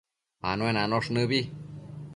Anuenanosh nëbi